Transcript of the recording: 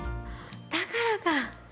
だからか！